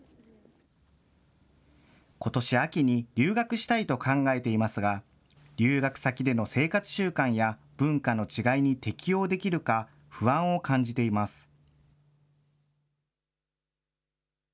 ことし秋に留学したいと考えていますが、留学先での生活習慣や文化の違いに適応できるか、不安を感じています。